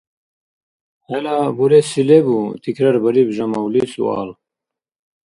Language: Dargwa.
- XӀела буреси лебу? - тикрарбариб Жамавли суал.